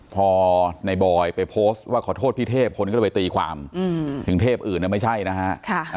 พอในบอยไปโพสต์ว่าขอโทษพี่เทพคนก็เลยไปตีความถึงเทพอื่นไม่ใช่นะฮะ